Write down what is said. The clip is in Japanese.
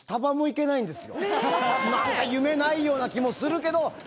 なんか夢ないような気もするけど。